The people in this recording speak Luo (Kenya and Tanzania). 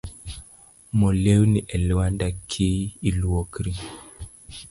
Mo lewni e lwanda ki luokori.